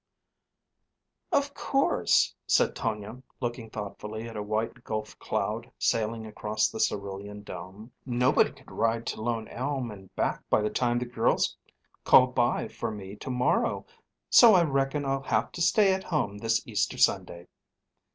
"Of course," said Tonia, looking thoughtfully at a white gulf cloud sailing across the cerulean dome, "nobody could ride to Lone Elm and back by the time the girls call by for me to morrow. So, I reckon I'll have to stay at home this Easter Sunday."